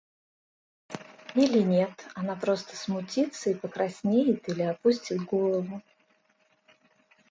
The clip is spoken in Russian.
Или нет, она просто смутится и покраснеет или опустит голову.